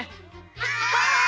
はい！